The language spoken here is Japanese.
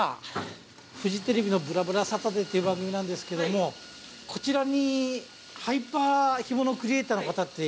フジテレビの『ぶらぶらサタデー』という番組なんですけどもこちらにハイパー干物クリエイターの方っていらっしゃいますか？